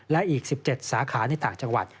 และอีก๑๗สาขาในต่างจังหวัด